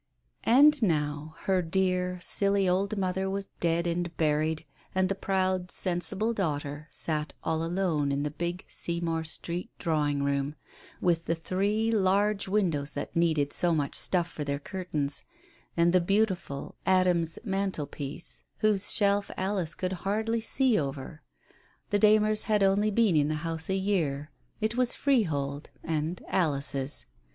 And now, her dear, silly old mother was dead and buried, and the proud, sensible daughter sat all alone in the big Seymour Street drawing room, with the three large windows that needed so much stuff for their curtains, and the beautiful Adams mantelpiece whose Digitized by Google THE TELEGRAM 13 shelf Alice could hardly see over. The Darners had only been in the house a year; it was freehold, and Alice's.